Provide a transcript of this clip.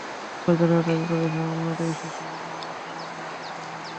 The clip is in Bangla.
স্বজনেরা দাবি করছে, অন্য দুই শিশু রমজানের শরীরে আগুন ধরিয়ে দেয়।